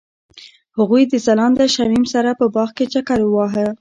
هغوی د ځلانده شمیم سره په باغ کې چکر وواهه.